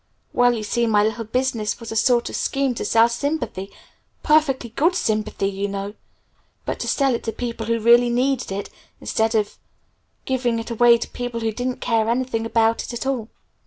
Well, you see my little business was a sort of a scheme to sell sympathy perfectly good sympathy, you know but to sell it to people who really needed it, instead of giving it away to people who didn't care anything about it at all.